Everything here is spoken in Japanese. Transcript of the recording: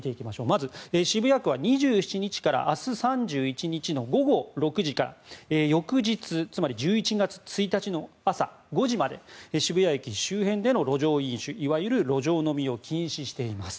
まず、渋谷区は２７日から明日３１日の午後６時から翌日つまり１１月１日の朝５時まで渋谷駅周辺での路上飲酒いわゆる路上飲みを禁止しています。